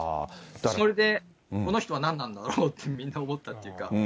それでこの人は何なんだろうってみんな思ったっていうか。